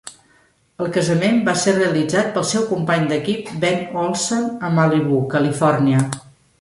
El casament va ser realitzat pel seu company d'equip Ben Olsen a Malibu, Califòrnia.